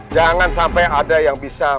jangan sampai ada yang bisa